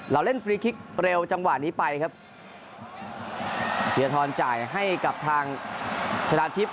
เราเล่นฟรีคลิกเร็วจังหวะนี้ไปครับธีรทรจ่ายให้กับทางชนะทิพย